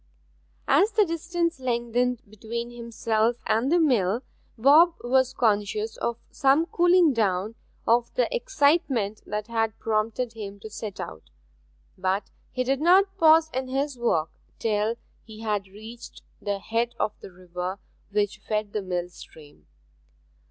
As the distance lengthened between himself and the mill, Bob was conscious of some cooling down of the excitement that had prompted him to set out; but he did not pause in his walk till he had reached the head of the river which fed the mill stream.